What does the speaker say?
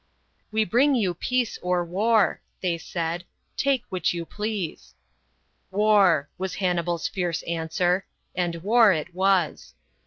" We bring you peace or war/' they said. " Take which you please." " War/' was Hannibal's fierce answer And war it was.